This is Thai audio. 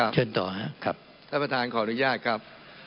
เชิญต่อครับท่านประธานขออนุญาตครับ